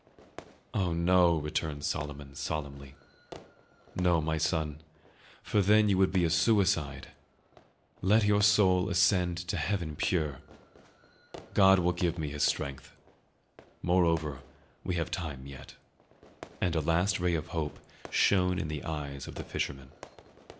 "Oh no!" returned Solomon solemnly, "no, my son, for then you would be a suicide! Let your soul ascend to heaven pure! God will give me His strength. Moreover, we have time yet." And a last ray of hope shone in the eyes of the fisherman.